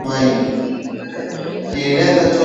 Lilileta tu tumaini